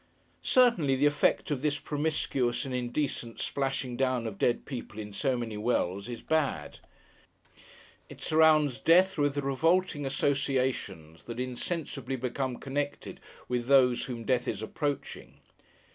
Certainly, the effect of this promiscuous and indecent splashing down of dead people in so many wells, is bad. It surrounds Death with revolting associations, that insensibly become connected with those whom Death is approaching.